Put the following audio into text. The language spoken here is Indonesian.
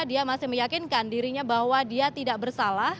dia masih meyakinkan dirinya bahwa dia tidak bersalah